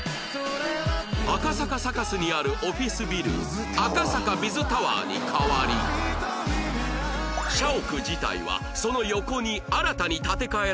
赤坂サカスにあるオフィスビル赤坂 Ｂｉｚ タワーに変わり社屋自体はその横に新たに建て替えられている